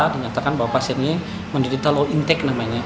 dinyatakan bahwa pasiennya menderita low intake namanya